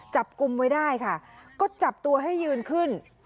จับกลุ่มไว้ได้ค่ะก็จับตัวให้ยืนขึ้น